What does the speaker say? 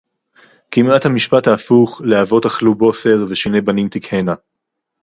"כמעט המשפט ההפוך ל"אבות אכלו בוסר ושיני בנים תקהינה"